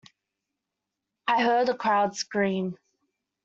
I heard the crowd scream.